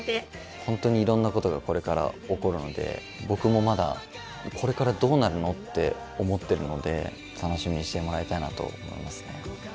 本当にいろんなことがこれから起こるので僕もまだこれからどうなるのって思ってるので楽しみにしてもらいたいなと思いますね。